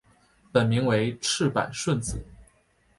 本名为赤坂顺子。